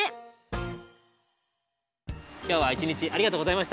きょうは１日ありがとうございました。